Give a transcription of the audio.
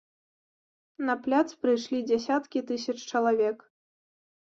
На пляц прыйшлі дзясяткі тысяч чалавек.